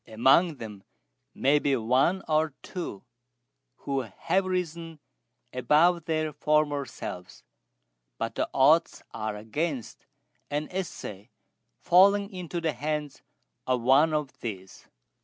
Among them may be one or two who have risen above their former selves, but the odds are against an essay falling into the hands of one of these."